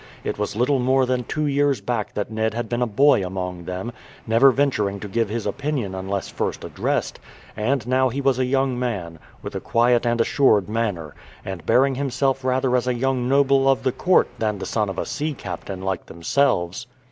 It was little more than two years back that Ned had been a boy among them, never venturing to give his opinion unless first addressed, and now he was a young man, with a quiet and assured manner, and bearing himself rather as a young noble of the court than the son of a sea captain like themselves.